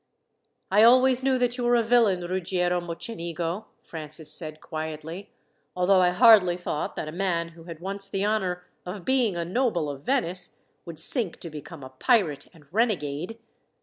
"I always knew that you were a villain, Ruggiero Mocenigo," Francis said quietly, "although I hardly thought that a man who had once the honour of being a noble of Venice, would sink to become a pirate and renegade.